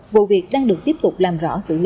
vụ việc đang được tiếp tục làm rõ sự liên lạc